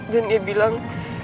dan dia bilang